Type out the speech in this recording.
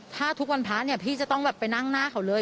ถ้าทุกวันพระเนี่ยพี่จะต้องแบบไปนั่งหน้าเขาเลย